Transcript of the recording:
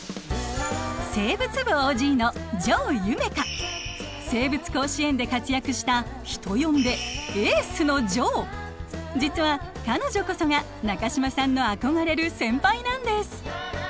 生物部ＯＧの生物甲子園で活躍した人呼んで「エースのジョー」。実は彼女こそが中島さんの憧れる先輩なんです。